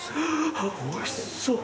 アァ、おいしそう！